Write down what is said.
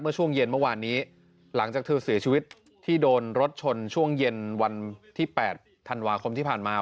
ช่วงเย็นเมื่อวานนี้หลังจากเธอเสียชีวิตที่โดนรถชนช่วงเย็นวันที่๘ธันวาคมที่ผ่านมา